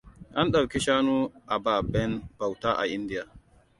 An ɗauki shanu ababnen bauta a India.